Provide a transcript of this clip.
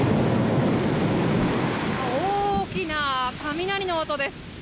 大きな雷の音です。